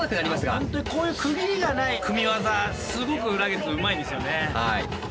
本当にこういう区切りがない組み技すごくラゲッズうまいですよね。